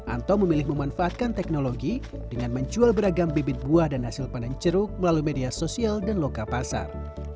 anto memilih memanfaatkan teknologi dengan menjual beragam bibit buah dan hasil panen ceruk melalui media sosial dan loka pasar